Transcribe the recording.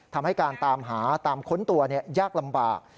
ทำให้การตามหาตามค้นตัวยากลำบาก